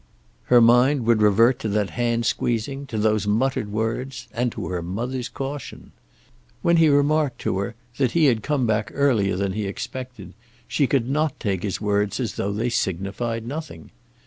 Her mind would revert to that hand squeezing, to those muttered words, and to her mother's caution. When he remarked to her that he had come back earlier than he expected, she could not take his words as though they signified nothing.